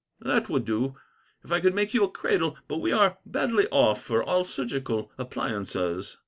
"That would do, if I could make you a cradle, but we are badly off for all surgical appliances."